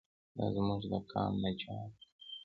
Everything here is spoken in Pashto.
دا زموږ د قام نجات دی.